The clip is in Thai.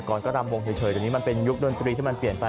ก่อนก็รำวงเฉยเดี๋ยวนี้มันเป็นยุคดนตรีที่มันเปลี่ยนไป